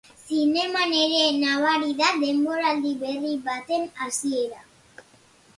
Zineman ere nabari da denboraldi berri baten hasiera.